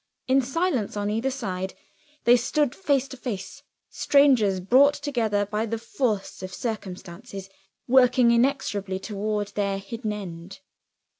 In silence on either side, they stood face to face; strangers brought together by the force of circumstances, working inexorably toward their hidden end.